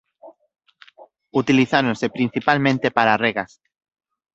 Utilizáronse principalmente para regas.